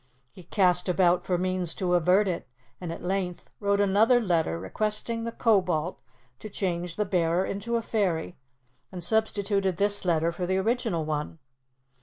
He cast about for means to avert it, and at length wrote another letter, requesting the Kobold to change the bearer into a fairy, and substituted this letter for the original one.